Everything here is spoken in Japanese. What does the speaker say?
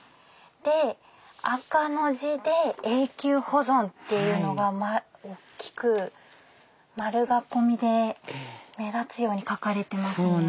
で赤の字で「永久保存」っていうのが大きく丸囲みで目立つように書かれてますね。